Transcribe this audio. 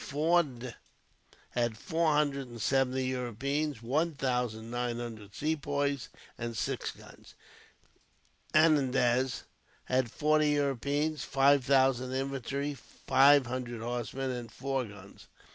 Forde had four hundred and seventy Europeans, one thousand nine hundred Sepoys, and six guns. Anandraz had forty Europeans, five thousand infantry, five hundred horsemen, and four guns.